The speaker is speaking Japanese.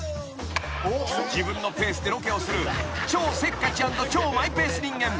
［自分のペースでロケをする超せっかち＆超マイペース人間。